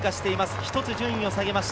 １つ順位を下げました。